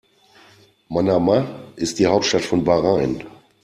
Manama ist die Hauptstadt von Bahrain.